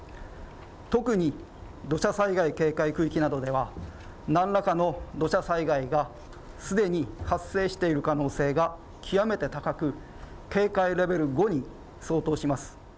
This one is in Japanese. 特に土砂災害警戒区域などでは何らかの土砂災害がすでに発生している可能性が極めて高く警戒レベル５に相当します。